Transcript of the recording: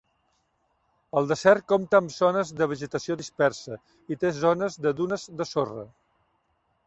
El desert compta amb zones de vegetació dispersa i té zones de dunes de sorra.